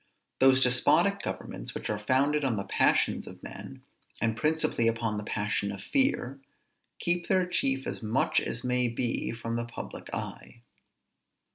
Those despotic governments which are founded on the passions of men, and principally upon the passion of fear, keep their chief as much as may be from the public eye.